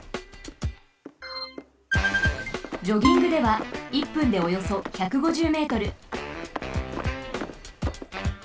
ジョギングでは１分でおよそ１５０ｍ。